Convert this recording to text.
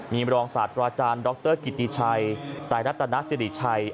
มีมรองศาสตราอาจารย์ดรกิติชัยไตรัตนสิริชัย